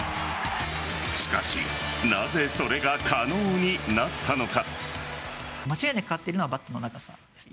しかしなぜそれが可能になったのか。